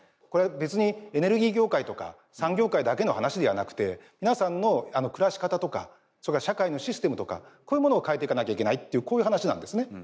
これは別にエネルギー業界とか産業界だけの話ではなくて皆さんの暮らし方とかそれから社会のシステムとかこういうものを変えていかなきゃいけないというこういう話なんですね。